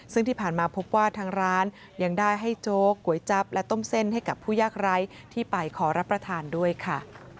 ซึ่งที่ผ่านมาพบว่าทางร้านยังได้ให้โจ๊กก๋วยจั๊บและต้มเส้นให้กับผู้ยากไร้ที่ไปขอรับประทานด้วยค่ะ